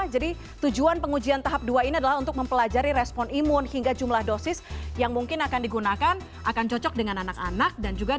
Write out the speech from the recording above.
jadi tujuan pengujian tahap dua ini adalah untuk mempelajari respon imun hingga jumlah dosis yang mungkin akan digunakan akan cocok dengan anak anak dan juga dewasa